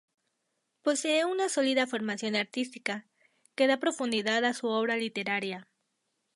Posee una sólida formación artística, que da profundidad a su obra literaria.